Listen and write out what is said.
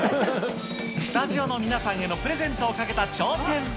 スタジオの皆さんへのプレゼントをかけた挑戦。